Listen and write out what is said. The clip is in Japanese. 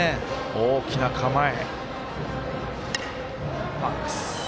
大きな構え。